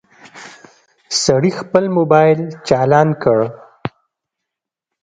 سړي خپل موبايل چالان کړ.